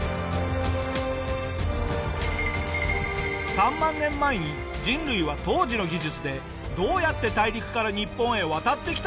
３万年前に人類は当時の技術でどうやって大陸から日本へ渡ってきたのか？